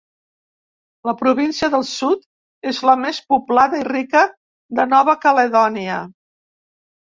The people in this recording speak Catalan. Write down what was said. La Província del Sud és la més poblada i rica de Nova Caledònia.